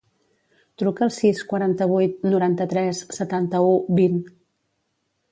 Truca al sis, quaranta-vuit, noranta-tres, setanta-u, vint.